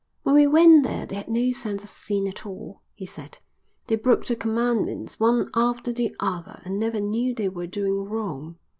"When we went there they had no sense of sin at all," he said. "They broke the commandments one after the other and never knew they were doing wrong.